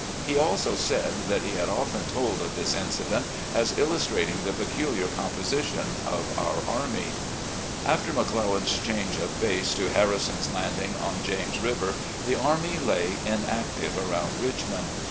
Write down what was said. He also said that he had often told of this incident as illustrating the peculiar composition of our army. ^ After McClellan's change of base to Harrison's Landing on James River, the army lay inactive around Richmond.